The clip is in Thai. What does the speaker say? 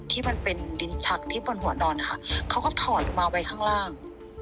ที่มันเป็นดินชักที่บนหัวดอนนะคะเขาก็ถอดออกมาไว้ข้างล่าง